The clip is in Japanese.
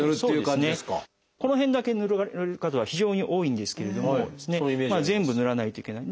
この辺だけぬられる方が非常に多いんですけれども全部ぬらないといけない。